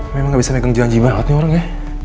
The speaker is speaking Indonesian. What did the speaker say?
memang gak bisa negang janji banget nih orang ya